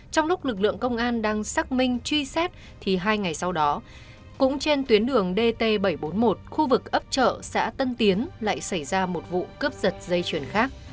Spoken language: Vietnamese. trong lúc lực lượng công an đang xác minh truy xét thì hai ngày sau đó cũng trên tuyến đường dt bảy trăm bốn mươi một khu vực ấp chợ xã tân tiến lại xảy ra một vụ cướp giật dây chuyển khác